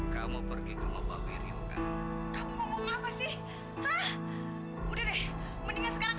kamu pikir aku takut